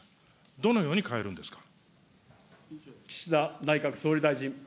どのように変えるんですか。